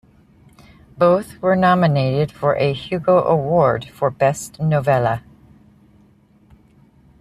Both were nominated for a Hugo Award for Best Novella.